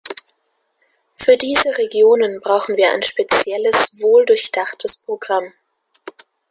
Für diese Regionen brauchen wir ein spezielles, wohldurchdachtes Programm.